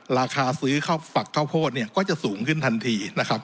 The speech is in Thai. ราคาซื้อฝักเข้าโพธิก็จะสูงขึ้นทันที